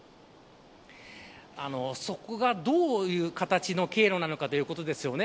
そこがどういう形の経路なのかということですよね。